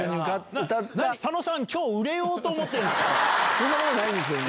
そんなことないんですけどね。